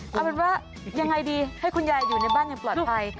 เอาเป็นว่ายังไงดีให้คุณยายอยู่ในบ้านอย่างปลอดภัย